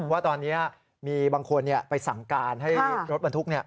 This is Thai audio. ว่าตอนนี้มีบางคนไปสั่งการให้รถบรรทุก